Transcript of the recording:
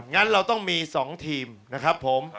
งั้นเราต้องมี๒ทีมนะครับผม